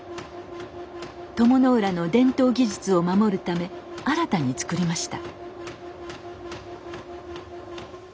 鞆の浦の伝統技術を守るため新たにつくりました。